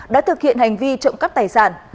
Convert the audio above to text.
đã thực hiện hành vi trộm cắp tài sản